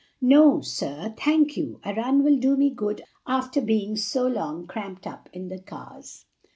"No, sir, thank you; a run will do me good after being so long cramped up in the cars."